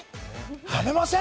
やめません？